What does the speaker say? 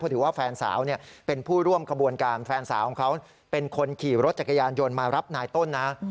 ถือว่าแฟนสาวเป็นผู้ร่วมขบวนการแฟนสาวของเขาเป็นคนขี่รถจักรยานยนต์มารับนายต้นนะ